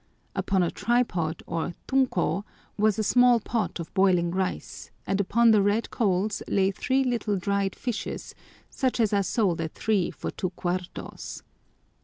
Upon a tripod, or tunko, was a small pot of boiling rice and upon the red coals lay three little dried fishes such as are sold at three for two cuartos.